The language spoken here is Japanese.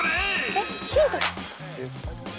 えっヒント。